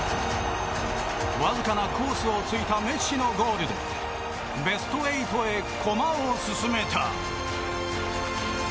わずかなコースを突いたメッシのゴールでベスト８へ駒を進めた。